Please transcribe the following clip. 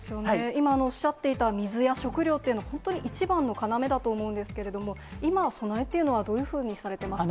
今、おっしゃっていた水や食料というの、本当に一番の要だと思うんですけど、今、備えっていうのはどのようにされてますか？